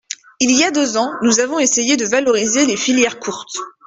Il y a deux ans, nous avons essayé de valoriser les filières courtes.